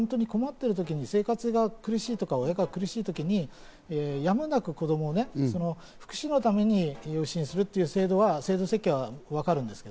子供が本当に困っている時に生活が苦しいとか、親が苦しい時に、やむなく子供を福祉のために支援するという制度は、制度設計はわかるんです。